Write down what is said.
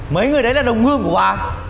mấy người đấy là đồng hương của bà